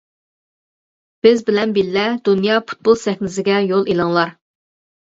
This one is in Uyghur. بىز بىلەن بىللە دۇنيا پۇتبول سەھنىسىگە يول ئېلىڭلار!